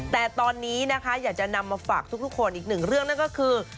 แต่ตอนนี้นะคะอยากจะนำมาฝากทุกคนอีกหนึ่งเรื่องนั่นก็คือ